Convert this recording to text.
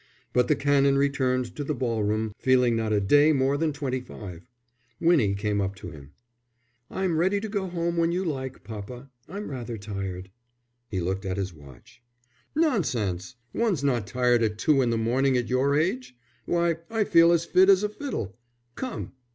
But the Canon returned to the ball room feeling not a day more than twenty five. Winnie came up to him. "I'm ready to go home when you like, papa. I'm rather tired." He looked at his watch. "Nonsense! One's not tired at two in the morning at your age. Why, I feel as fit as a fiddle. Come."